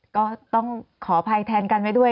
ก็ต้องขออภัยแทนกันไว้ด้วย